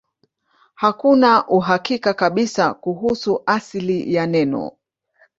Hakuna uhakika kabisa kuhusu asili ya neno.